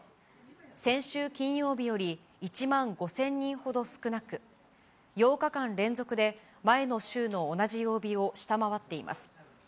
先週金曜日より１万５０００人ほど少なく、８日間連続で前の週の同じ曜日を下回っています。